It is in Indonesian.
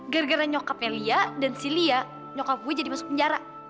gara gara nyokapnya lia dan si lia nyokap gue jadi masuk penjara